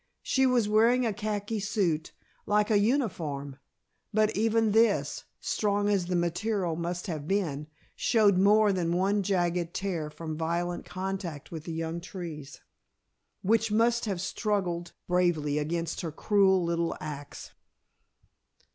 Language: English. She was wearing a khaki suit, like a uniform, but even this, strong as the material must have been, showed more than one jagged tear from violent contact with the young trees, which must have struggled bravely against her cruel little ax.